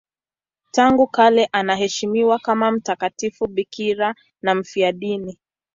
Tangu kale anaheshimiwa kama mtakatifu bikira na mfiadini.